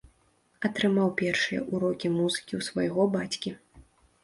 Атрымаў першыя ўрокі музыкі ў свайго бацькі.